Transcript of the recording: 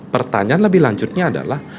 pertanyaan lebih lanjutnya adalah